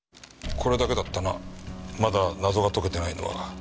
これだけだったなまだ謎が解けてないのは。